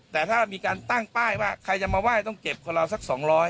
แต่ถ้ามีการตั้งป้ายว่าใครจะมาไหว้ต้องเก็บคนเราสัก๒๐๐